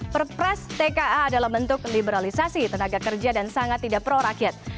perpres tka adalah bentuk liberalisasi tenaga kerja dan sangat tidak pro rakyat